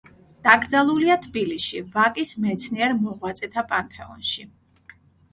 დაკრძალულია თბილისში, ვაკის მეცნიერ მოღვაწეთა პანთეონში.